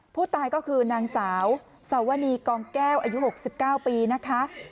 ผู้ตายก็คือนางสาวเสาวนีกองแก้วอายุหกสิบเก้าปีนะคะ